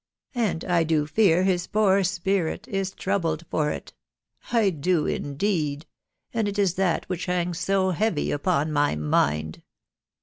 anfl I do fear his poor spirit is troubled for it — 1 do indeed .... wad it is that which hangs *so *heavy vpon my mind."